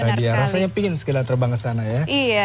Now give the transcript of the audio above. benar sekali ya rasanya pingin sekitar terbang ke sana ya